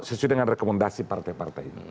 sesuai dengan rekomendasi partai partai ini